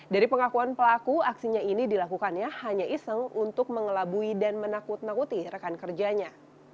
dari pengakuan pelaku aksinya ini dilakukannya hanya iseng untuk mengelabui dan menakut nakuti rekan kerjanya